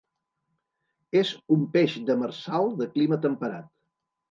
És un peix demersal de clima temperat.